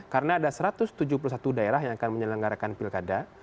karena ada satu ratus tujuh puluh satu daerah yang akan menyelenggarakan pilkada